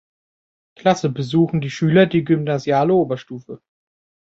Klasse besuchen die Schüler die gymnasiale Oberstufe.